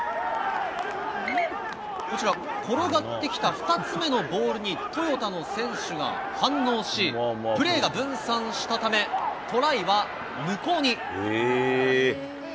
こちら、転がってきた２つ目のボールにトヨタの選手が反応し、プレーが分散したため、トライは無効に。